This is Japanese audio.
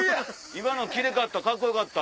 今キレイかったカッコよかった。